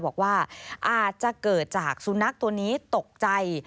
บอกว่าอาจจะเกิดจากสุนัขตัวนี้ตกใจ